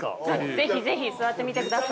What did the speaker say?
◆ぜひぜひ。座ってみてください。